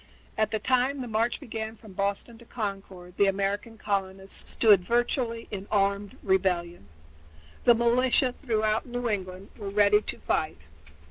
At the time the march began from Boston to Concord the American colonists stood virtually in armed rebellion. The militia throughout New England were ready to fight.